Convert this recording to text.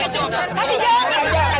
jangan jangan jangan